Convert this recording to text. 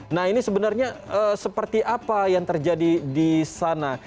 nah ini sebenarnya seperti apa yang terjadi di sana